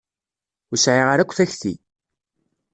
Ur sɛiɣ ara akk takti.